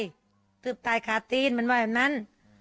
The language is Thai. กระทืบตายขาดตีนมันว่าอย่างนั้น